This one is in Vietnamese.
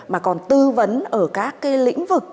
mà còn tư vấn ở các cái lĩnh vực